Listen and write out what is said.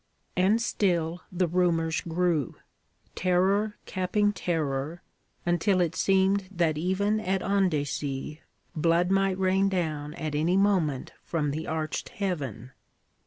And still the rumors grew, terror capping terror, until it seemed that even at Andecy blood might rain down at any moment from the arched heaven.